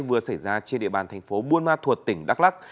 vừa xảy ra trên địa bàn thành phố buôn ma thuột tỉnh đắk lắc